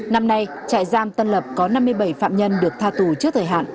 năm nay trại giam tân lập có năm mươi bảy phạm nhân được tha tù trước thời hạn